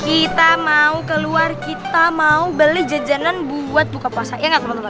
kita mau keluar kita mau beli jajanan buat buka puasa ya gak temen temen